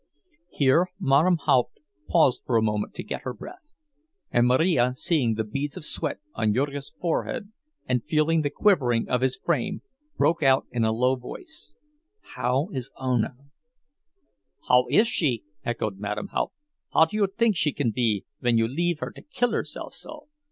Here Madame Haupt paused for a moment to get her breath; and Marija, seeing the beads of sweat on Jurgis's forehead, and feeling the quivering of his frame, broke out in a low voice: "How is Ona?" "How is she?" echoed Madame Haupt. "How do you tink she can be ven you leave her to kill herself so?